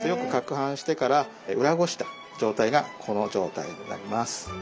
よくかくはんしてから裏ごした状態がこの状態になります。